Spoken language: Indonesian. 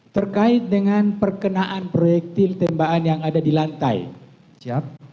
terkait dengan perkenaan proyektil tembakan yang ada di lantai siap